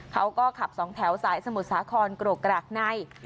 เขาก็ขับสองแถวสายสมุทรสาครกรกกรากใน